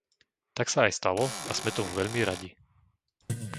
Tak sa aj stalo a sme tomu veľmi radi.